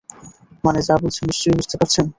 মানে, যা বলছি নিশ্চয়ই বুঝতে পারছেন?